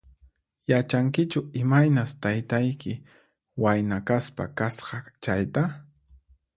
Yachankichu imaynas taytayki wayna kaspa kasqa chayta?